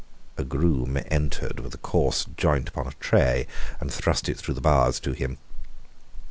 A groom entered with a coarse joint upon a tray, and thrust it through the bars to him.